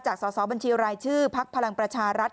สอสอบัญชีรายชื่อพักพลังประชารัฐ